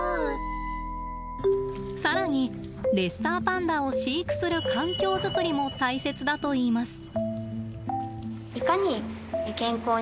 更にレッサーパンダを飼育する環境作りも大切だといいます。